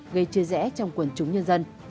gây chia rẽ trong quần chúng nhân dân